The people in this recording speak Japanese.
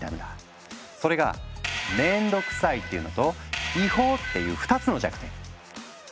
それが「面倒くさい」っていうのと「違法」っていう２つの弱点。